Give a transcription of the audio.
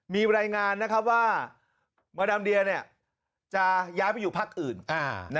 มีรายงานว่ามาดามเดียจะย้ายไปอยู่พักอื่น